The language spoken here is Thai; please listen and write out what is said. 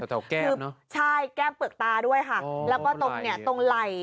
ตรงแก้วเนอะใช่แก้วเปลือกตาด้วยค่ะแล้วก็ตรงไหล่